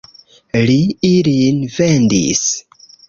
Li ilin vendis.